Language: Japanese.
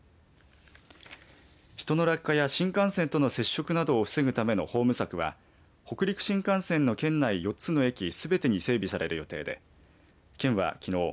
人の落下や新幹線との接触などを防ぐためのホーム柵は北陸新幹線の県内４つの駅すべてに整備される予定で県はきのう